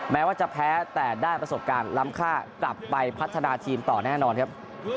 แม้ว่าจะแพ้แต่ได้ประสบการณ์ล้ำค่ากลับไปพัฒนาทีมต่อแน่นอนครับ